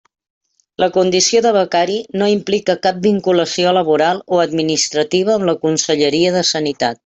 La condició de becari no implica cap vinculació laboral o administrativa amb la Conselleria de Sanitat.